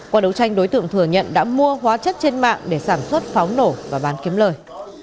qua đấu tranh đối tượng thừa nhận đã mua hóa chất trên mạng để sản xuất pháo nổ và bán kiếm lời